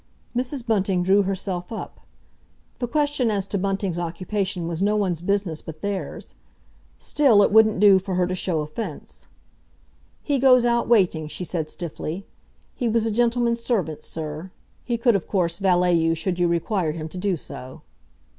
Mrs. Bunting drew herself up. The question as to Bunting's occupation was no one's business but theirs. Still, it wouldn't do for her to show offence. "He goes out waiting," she said stiffly. "He was a gentleman's servant, sir. He could, of course, valet you should you require him to do so."